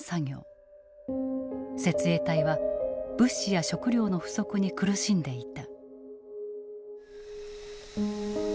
設営隊は物資や食料の不足に苦しんでいた。